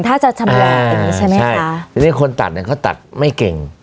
ถ้าจะใช่ไหมอ่ะใช่ไหมคะค่ะคนตัดเนี่ยเขาตัดไม่เก่ง